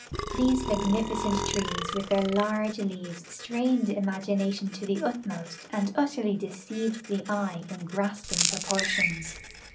These magnificent trees with their large leaves strained imagination to the utmost and utterly deceived the eye in grasping proportions.